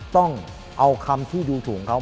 ต้องเอาคำที่ดูถูกเขา